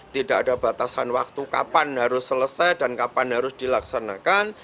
tidak ada batasan waktu kapan harus selesai dan kapan harus dilaksanakan